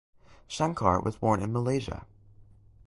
Shankar was born in Malaysia.